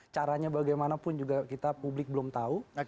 caranya bagaimanapun juga kita publik belum tahu